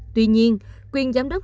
tuy nhiên quyền giám đốc